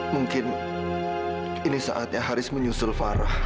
mungkin ini saatnya haris menyusul farah